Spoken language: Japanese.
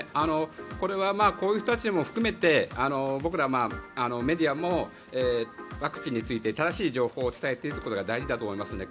これはこういう人たちも含めて僕らメディアもワクチンについて正しい情報を伝えていくことが大事だと思いますね。